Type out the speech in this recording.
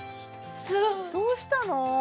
どうしたの？